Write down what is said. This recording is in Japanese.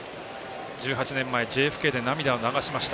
１８年前、ＪＦＫで涙を流しました。